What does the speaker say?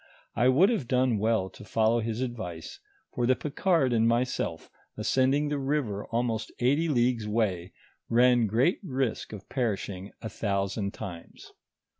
I would have done well to follow his advice, for the Picard and myself ascending the river almost eighty leagues way, ran great risk of perishing a thousand times.